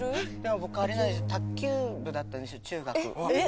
僕、卓球部だったんですよ、えっ？